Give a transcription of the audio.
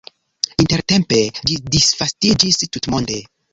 Intertempe ĝi disvastiĝis tutmonde.